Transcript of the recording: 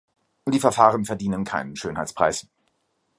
Die Verfahren verdienen keinen Schönheitspreis.